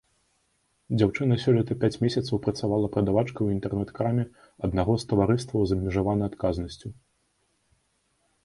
Дзяўчына сёлета пяць месяцаў працавала прадавачкай у інтэрнэт-краме аднаго з таварыстваў з абмежаванай адказнасцю.